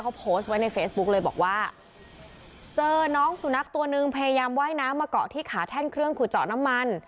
เขาโพสต์ไว้ในเฟซบุ๊กเลยบอกว่าเจอน้องสุนัขตัวนึงพยายามว่ายน้ำมาเกาะที่ขาแท่นเครื่องขุดเจาะน้ำมัน